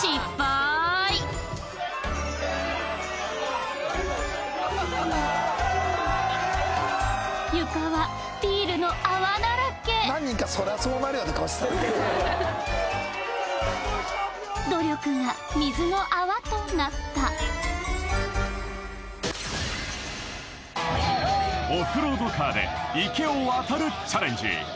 失敗床はビールの泡だらけ努力が水の泡となったオフロードカーで池を渡るチャレンジ